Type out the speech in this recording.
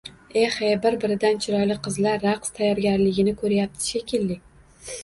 Eh-he, bir-biridan chiroyli qizlar raqs tayyorgarligini ko`ryapti shekilli